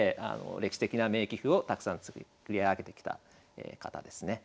歴史的な名棋譜をたくさん作り上げてきた方ですね。